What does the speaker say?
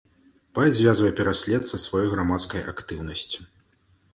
Паэт звязвае пераслед са сваёй грамадскай актыўнасцю.